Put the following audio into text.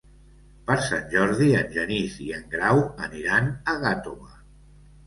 Per Sant Jordi en Genís i en Grau aniran a Gàtova.